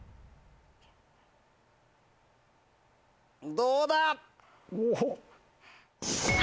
どうだ？